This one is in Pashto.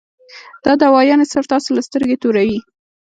دا دوايانې صرف تاسو له سترګې توروي -